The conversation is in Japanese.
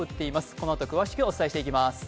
このあと詳しくお伝えしてまいります。